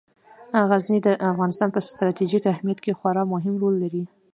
غزني د افغانستان په ستراتیژیک اهمیت کې خورا مهم رول لري.